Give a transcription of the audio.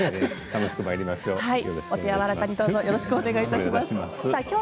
楽しくまいりましょう。